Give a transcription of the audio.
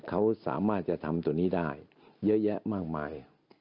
เขาสามารถจะทำตัวนี้ได้เยอะแยะมากมาย